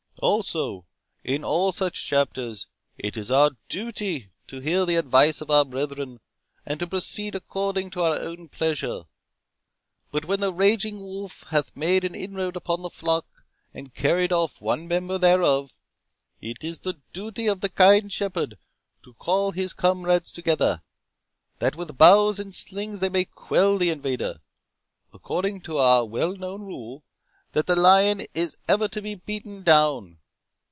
Also, in all such chapters, it is our duty to hear the advice of our brethren, and to proceed according to our own pleasure. But when the raging wolf hath made an inroad upon the flock, and carried off one member thereof, it is the duty of the kind shepherd to call his comrades together, that with bows and slings they may quell the invader, according to our well known rule, that the lion is ever to be beaten down.